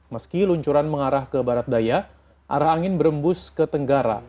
meski luncuran mengarah ke barat daya arah angin berembus ke tenggara